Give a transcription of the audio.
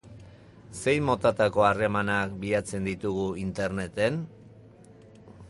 Zein motatako harremanak bilatzen ditugu interneten?